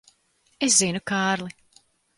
Es zinu, Kārli.